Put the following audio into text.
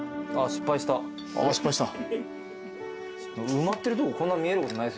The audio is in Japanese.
埋まってるとここんな見えることないですよね。